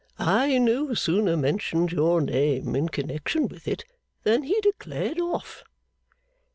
I no sooner mentioned your name in connection with it than he declared off.